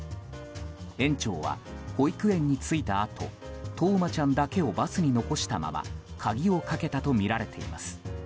園長は、保育園に着いたあと冬生ちゃんだけをバスに残したまま鍵をかけたとみられています。